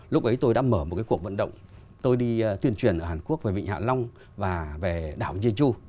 lúc ấy tôi đã mở một cái cuộc vận động tôi đi tuyên truyền ở hàn quốc về vịnh hạ long và về đảo jean chu